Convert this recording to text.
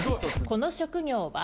この職業は？